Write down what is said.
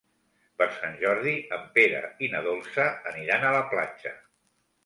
Per Sant Jordi en Pere i na Dolça aniran a la platja.